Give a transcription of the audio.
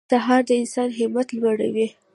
سهار د انسان همت لوړوي.